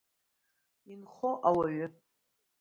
Инхо ауаҩы.